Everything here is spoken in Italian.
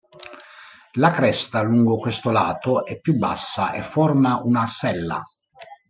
La cresta lungo questo lato è più bassa, e forma una sella.